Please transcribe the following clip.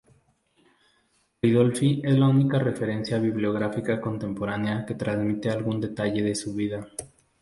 Ridolfi es la única referencia bibliográfica contemporánea que transmite algún detalle de su vida.